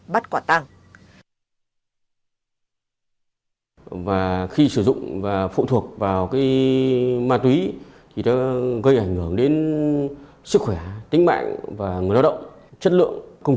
bắt quả tác